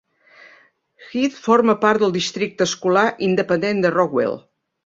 Heath forma part del districte escolar independent de Rockwall.